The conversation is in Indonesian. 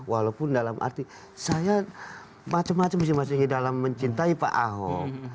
walaupun dalam arti saya macam macam sih mas ingyi dalam mencintai pak ahok